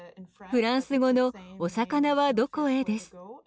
フランス語の「さかなはどこへ？」です。